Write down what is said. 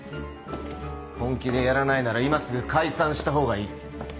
本気でやらないなら今すぐ解散した方がいい。